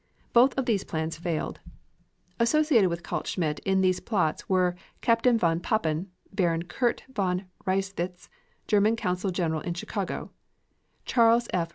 Both of these plans failed. Associated with Kaltschmidt in these plots were Captain von Papen, Baron Kurt von Reiswitz, German consul general in Chicago; Charles F.